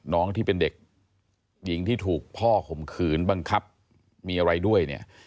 น้องที่เป็นเด็กหญิงที่ถูกพ่อข่มขืนบังคับมีอะไรด้วยเนี่ย